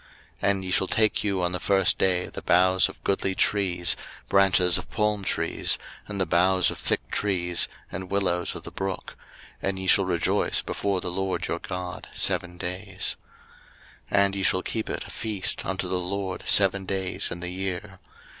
03:023:040 And ye shall take you on the first day the boughs of goodly trees, branches of palm trees, and the boughs of thick trees, and willows of the brook; and ye shall rejoice before the LORD your God seven days. 03:023:041 And ye shall keep it a feast unto the LORD seven days in the year.